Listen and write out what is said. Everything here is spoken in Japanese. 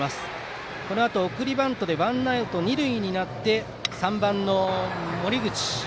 このあと送りバントでワンアウト、二塁になって３番の森口。